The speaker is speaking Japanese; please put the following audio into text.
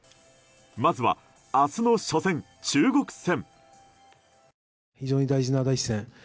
まずは明日の初戦、中国戦。